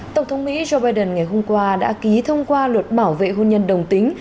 tổng thống mỹ joe biden ngày hôm qua đã ký thông qua luật bảo vệ hôn nhân đồng tính